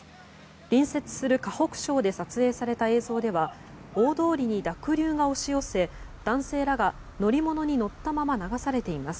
隣接する河北省で撮影された映像では大通りに濁流が押し寄せ男性らが乗り物に乗ったまま流されています。